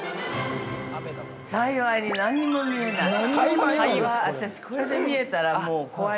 ◆幸いに、何も見えない。